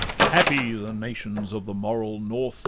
Happy the nations of the moral North!